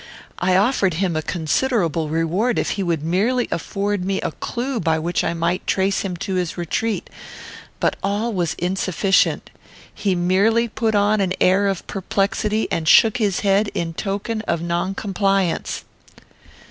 I offered him a considerable reward if he would merely afford me a clue by which I might trace him to his retreat; but all was insufficient. He merely put on an air of perplexity and shook his head in token of non compliance."